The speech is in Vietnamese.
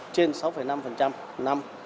trên sáu năm năm